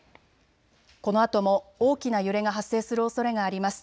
このあとも大きな揺れが発生するおそれがあります。